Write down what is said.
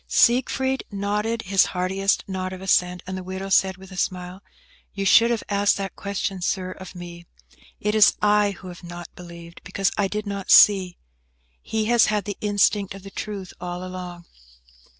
Siegfried nodded his heartiest nod of assent, and the widow said, with a smile, "You should have asked that question, Sir, of me. It is I who have not believed, because I did not see. He has had the instinct of the truth all along."